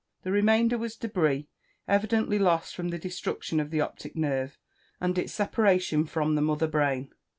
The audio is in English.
The remainder was debris, evidently lost from the destruction of the optic nerve, and its separation from the mother brain.